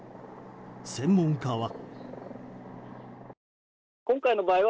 専門家は。